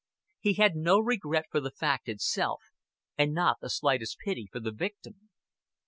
He had no regret for the fact itself, and not the slightest pity for the victim.